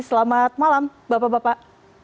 selamat malam bapak bapak